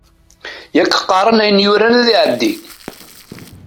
Yak qqaren ayen yuran ad iɛeddi.